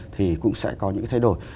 thì cũng sẽ có những cái thay đổi